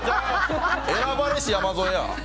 選ばれし山添や！